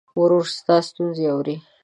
ورور ستا ستونزې اوري.